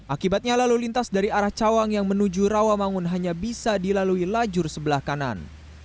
akibatnya lalu lintas dari arah cawang yang menuju rawamangun hanya bisa dilalui lajur sebelah kanan